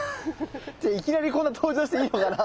いきなりこんな登場していいのかな。